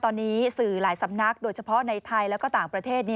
ตอนนี้สื่อหลายสำนักโดยเฉพาะในไทยแล้วก็ต่างประเทศ